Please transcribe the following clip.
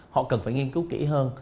họ cần phải nghiên cứu kỹ hơn